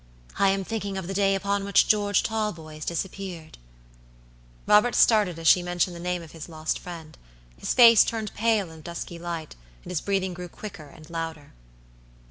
I am thinking of the day upon which George Talboys disappeared." Robert started as she mentioned the name of his lost friend; his face turned pale in the dusky light, and his breathing grew quicker and louder.